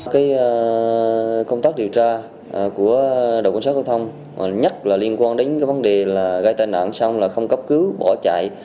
cái công tác điều tra của đcth nhất liên quan đến vấn đề gây tai nạn xong là không cấp cứu bỏ chạy